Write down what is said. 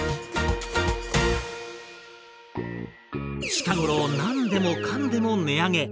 近頃何でもかんでも値上げ。